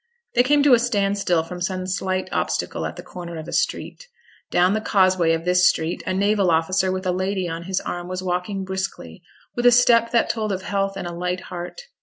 They came to a standstill from some slight obstacle at the corner of a street. Down the causeway of this street a naval officer with a lady on his arm was walking briskly, with a step that told of health and a light heart.